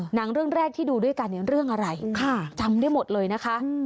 หนังเรื่องแรกที่ดูด้วยกันเนี่ยเรื่องอะไรจำได้หมดเลยนะคะ